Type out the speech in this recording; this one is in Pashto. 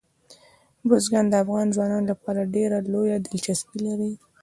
بزګان د افغان ځوانانو لپاره ډېره لویه دلچسپي لري.